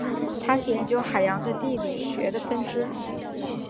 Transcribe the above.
它是研究海洋的地理学的分支。